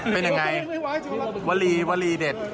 เป็นยังไงวลีวรีเด็ด